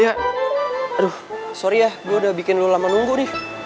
ya aduh sorry ya gue udah bikin lu lama nunggu nih